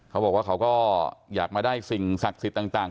เขาบอกว่าเขาก็อยากมาได้สิ่งศักดิ์สิทธิ์ต่าง